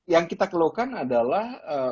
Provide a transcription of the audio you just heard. yang kita keluhkan adalah